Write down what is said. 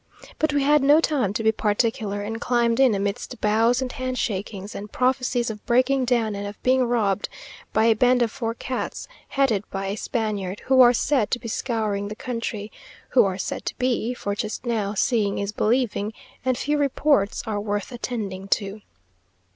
But we had no time to be particular, and climbed in amidst bows and hand shakings, and prophecies of breaking down and of being robbed by a band of forçats headed by a Spaniard, who are said to be scouring the country; who are said to be, for just now, seeing is believing, and few reports are worth attending to.